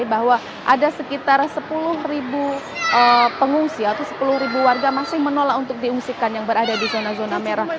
bahwa ada sekitar sepuluh ribu pengungsi atau sepuluh warga masih menolak untuk diungsikan yang berada di zona zona merah